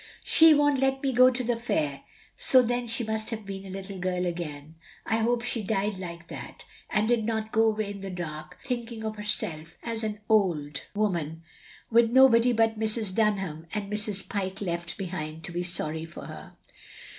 She won't let me go to the fair, ' so then she must have been a little girl again. I hope she died like that, and did not go away in the dark thinking of herself as an old \ 64 THE LONELY LADY woman with nobody but Mrs, Dunham and Mrs. Pyke left behind to be sorry for her.